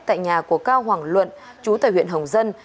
tại nhà của cao hoàng luận chú tại huyện hồng dân